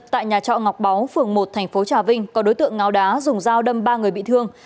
tại nhà trọ ngọc báu phường một thành phố trà vinh có đối tượng ngáo đá dùng dao đâm ba người bị thương